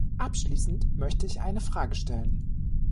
Abschließend möchte ich eine Frage stellen.